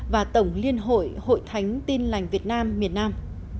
và tổng liên hội hội thánh tin lành việt nam miền nam